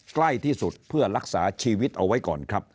ใกล้ที่สุดเพื่อรักษาชีวิตเอาไว้ก่อนครับ